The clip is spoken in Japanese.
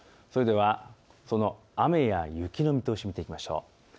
それでは雨や雪の見通しを見ていきましょう。